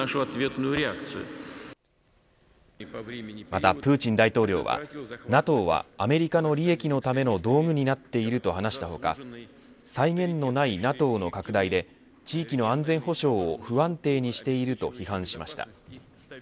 またプーチン大統領はＮＡＴＯはアメリカの利益のための道具になっていると話した他際限のないＮＡＴＯの拡大で地域の安全保障を不安定にしていると批判しました。